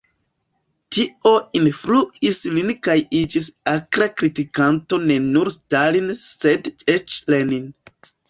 Tio influis lin kaj iĝis akra kritikanto ne nur Stalin sed eĉ Lenin.